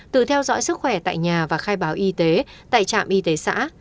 từ theo dõi sức khỏe tại nhà và khai báo y tế tại trạm y tế xã